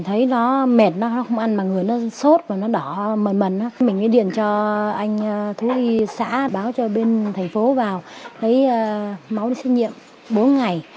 phước đồng đã đưa thành phố vào lấy máu đi xét nghiệm bốn ngày